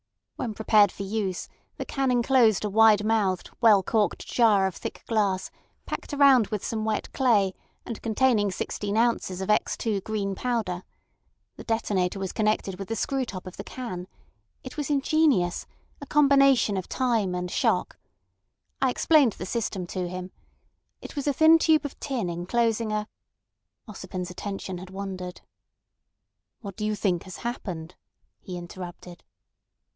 When prepared for use, the can enclosed a wide mouthed, well corked jar of thick glass packed around with some wet clay and containing sixteen ounces of X2 green powder. The detonator was connected with the screw top of the can. It was ingenious—a combination of time and shock. I explained the system to him. It was a thin tube of tin enclosing a—" Ossipon's attention had wandered. "What do you think has happened?" he interrupted.